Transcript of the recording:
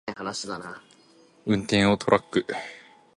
運転するトラックを